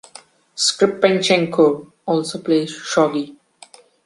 Skripchenko also plays shogi.